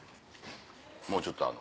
もうちょっとあんの？